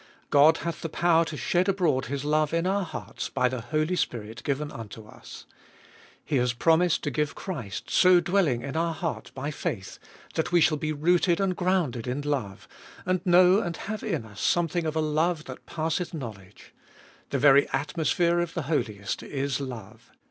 God hath the power to shed abroad His love in our hearts, by the Holy Spirit given unto us. He has promised to give Christ, 396 f>olfe0t ot BU so dwelling in our heart by faith, that we shall be rooted and grounded in love, and know and have in us something of a love that passeth knowledge. The very atmosphere of the Holiest is love.